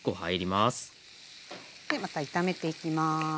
でまた炒めていきます。